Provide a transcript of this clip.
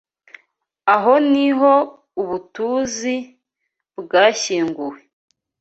Aho niho ubutuTUZI bwashyinguwe.